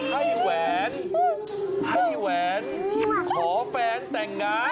ให้แหวนขอแฟนแต่งงาน